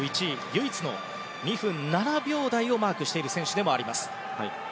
唯一２分７秒台をマークしている選手でもあります。